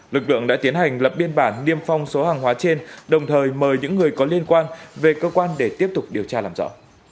lực lượng đã tiến hành lập biên bản niêm phong số hàng hóa trên đồng thời mời những người có liên quan về cơ quan để tiếp tục điều tra làm rõ